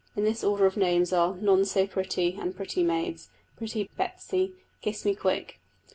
Of this order of names are None so pretty and Pretty maids, Pretty Betsy, Kiss me quick.